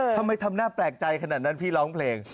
ทำไมทำหน้าแปลกใจขนาดนั้นพี่ร้องเพลง